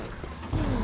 うん。